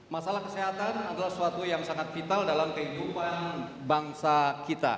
masalah kesehatan adalah suatu yang sangat vital dalam kehidupan bangsa kita